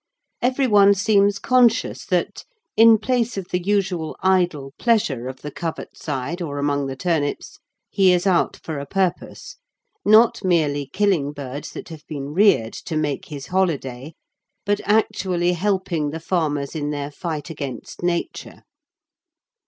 Everyone seems conscious that, in place of the usual idle pleasure of the covert side or among the turnips, he is out for a purpose, not merely killing birds that have been reared to make his holiday, but actually helping the farmers in their fight against Nature.